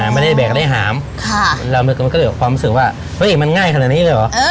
ไม่ได้แบกได้หามเรามันก็เลยความรู้สึกว่าเฮ้ยมันง่ายขนาดนี้เลยเหรอ